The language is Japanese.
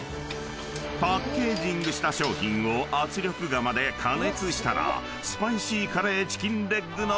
［パッケージングした商品を圧力釜で加熱したらスパイシーカレーチキンレッグの完成］